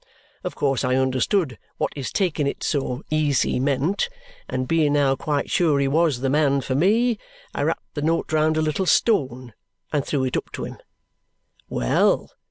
Of course I understood what his taking it so easy meant; and being now quite sure he was the man for me, I wrapped the note round a little stone and threw it up to him. Well!